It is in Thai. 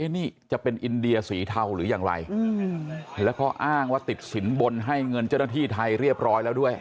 นี่จะเป็นอินเดียสีเทาหรืออย่างไรแล้วก็อ้างว่าติดสินบนให้เงินเจ้าหน้าที่ไทยเรียบร้อยแล้วด้วย